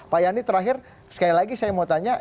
pak yani terakhir sekali lagi saya mau tanya